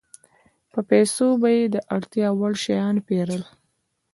په پیسو به یې د اړتیا وړ شیان پېرل